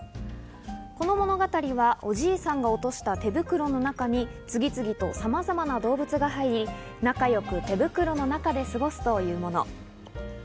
この物語はおじいさんが落とした手袋の中に、次々とさまざまな動物が入り、仲良く手袋の中で過ごすというもの。